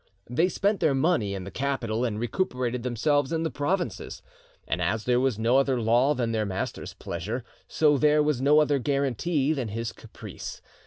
They spent their money in the capital, and recuperated themselves in the provinces. And as there was no other law than their master's pleasure, so there, was no other guarantee than his caprice.